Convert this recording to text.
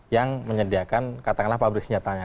yang menyediakan katakanlah pabrik senjatanya